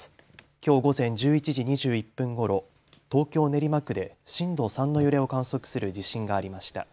きょう午前１１時２１分ごろ東京練馬区で震度３の揺れを観測する地震がありました。